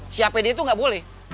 si apd tuh gak boleh